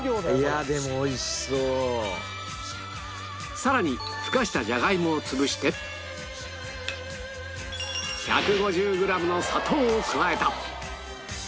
さらにふかしたジャガイモを潰して１５０グラムの砂糖を加えた